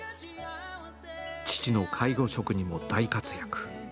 父の介護食にも大活躍。